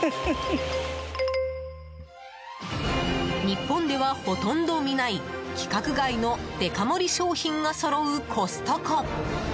日本では、ほとんど見ない規格外のデカ盛り商品がそろうコストコ！